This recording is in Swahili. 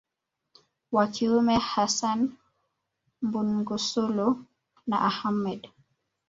wa kiume hassan Mbunsungulu na Ahmed